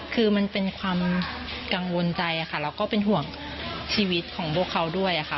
คือมันเป็นความกังวลใจค่ะแล้วก็เป็นห่วงชีวิตของพวกเขาด้วยค่ะ